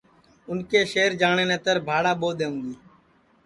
اُن کے شہر جاٹؔے نتر بھاڑا ٻو دؔونگی